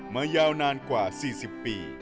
มายาวนานกว่าสี่สิบปี